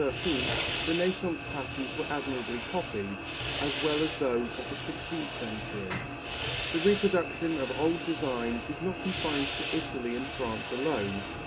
] In France, under Louis XIII, Renaissance patterns were admirably copied, as well as those of the sixteenth century. The reproduction of old designs is not confined to Italy and France alone.